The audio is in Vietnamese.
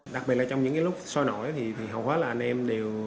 đặc biệt là trong những lúc sôi nổi thì hầu hết là anh em đều